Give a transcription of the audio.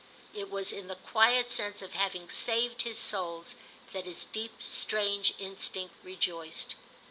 It was in the quiet sense of having saved his souls that his deep strange instinct rejoiced.